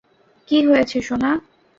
কি হয়েছে, সোনা?